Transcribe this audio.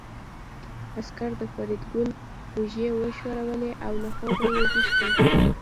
عسکر د فریدګل اوږې وښورولې او له خوبه یې ويښ کړ